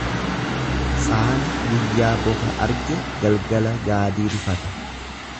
Saani guyyaa bofa arge galgala gaadii rifata.